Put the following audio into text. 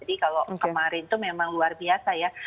jadi kalau kemarin itu memang luar biasa ya